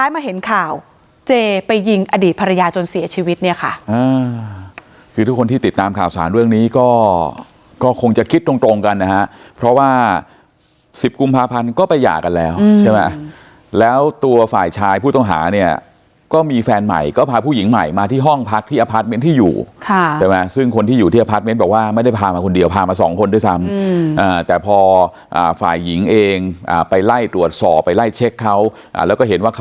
พอคงจะคิดตรงกันนะฮะเพราะว่าสิบกุมภาพันธ์ก็ไปหย่ากันแล้วใช่ไหมแล้วตัวฝ่ายชายผู้ต้องหาเนี่ยก็มีแฟนใหม่ก็พาผู้หญิงใหม่มาที่ห้องพักที่อพาร์ทเมนท์ที่อยู่ใช่ไหมซึ่งคนที่อยู่ที่อพาร์ทเมนท์บอกว่าไม่ได้พามาคนเดียวพามาสองคนด้วยซ้ำแต่พอฝ่ายหญิงเองไปไล่ตรวจสอบไปไล่เช็คเขาแล้วก